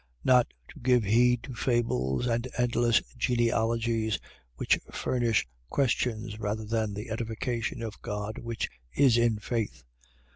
Not to give heed to fables and endless genealogies, which furnish questions rather than the edification of God which is in faith.